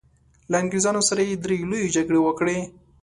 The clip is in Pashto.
له انګریزانو سره یې درې لويې جګړې وکړې.